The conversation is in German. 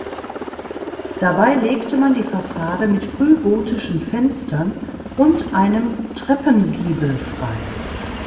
Dabei legte man die Fassade mit frühgotischen Fenstern und einem Treppengiebel frei.